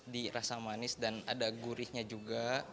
di rasa manis dan ada gurihnya juga